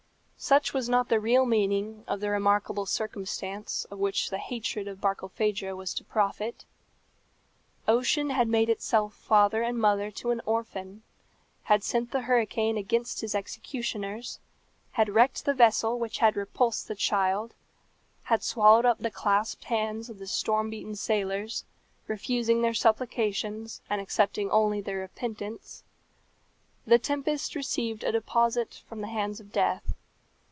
Such was not the real meaning of the remarkable circumstance of which the hatred of Barkilphedro was to profit. Ocean had made itself father and mother to an orphan, had sent the hurricane against his executioners, had wrecked the vessel which had repulsed the child, had swallowed up the clasped hands of the storm beaten sailors, refusing their supplications and accepting only their repentance; the tempest received a deposit from the hands of death.